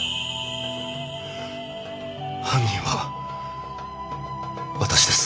犯人は私です。